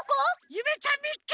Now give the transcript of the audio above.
ゆめちゃんみっけ！